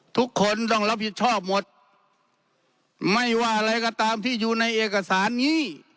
ทุกคนต้องรับผิดชอบหมดไม่ว่าอะไรก็ตามที่อยู่ในเอกสารนี้